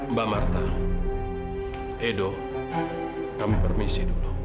mbak martha edo kami permisi dulu